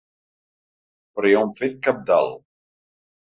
Però hi ha un fet cabdal.